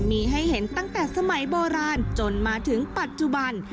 มีให้เห็นตั้งแต่สมัยโบราณจนมาถึงปัจจุบัน